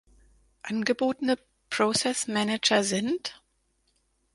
Angebotene Process Manager sind